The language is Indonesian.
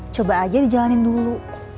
coba aja dijalanin dulu